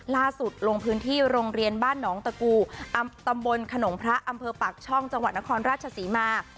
ลงพื้นที่โรงเรียนบ้านหนองตะกูตำบลขนงพระอำเภอปากช่องจังหวัดนครราชศรีมา